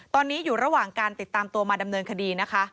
ตอนนี้อยู่ระหว่างการติดตามตัวมาดำเนินคดีนะคะ